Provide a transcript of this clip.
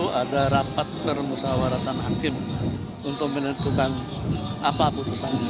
baru ada rapat pemusyawaratan hakim untuk menentukan apa putusan